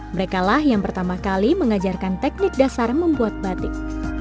mereka lah yang pertama kali mengajarkan teknik dasar membuat batik